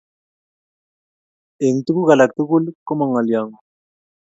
Eng tuguk alak tugul, koma ngolyongung